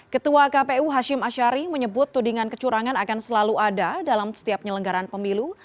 ketua kpu hashim ashari menyebut tudingan kecurangan akan selalu ada dalam setiap penyelenggaran pemilu